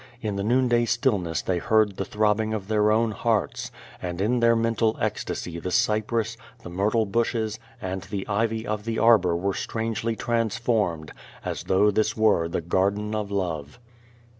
In the noonday stillness they heard the throbbing of their own hearts, and in their mental ecstasy the cypress, the myrtle bushes, and the ivy of the arbor were strangely transformed as though this were the garden of love.